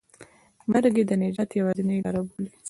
مرګ یې د نجات یوازینۍ لاره بولي.